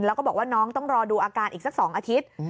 แล้วก็บอกว่าน้องต้องรอดูอาการอีกสัก๒อาทิตย์